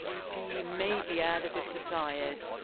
v. p." may be added if desired.